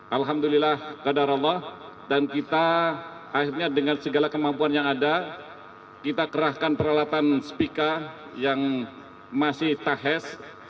alhamdulillah kadar allah dan kita akhirnya dengan segala kemampuan yang ada kita kerahkan peralatan speaka yang masih tahes